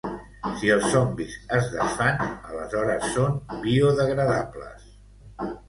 Si els zombis es desfan, aleshores són biodegradables